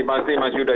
pasti mas yuda